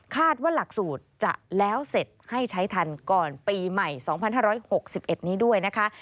หลักสูตรจะแล้วเสร็จให้ใช้ทันก่อนปีใหม่๒๕๖๑นี้ด้วยนะคะ